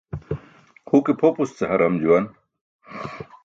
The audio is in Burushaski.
Huke pʰopus ce haram juwan.